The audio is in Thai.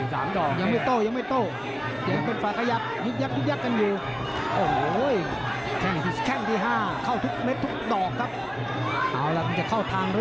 ทางด้านกล้องเพชร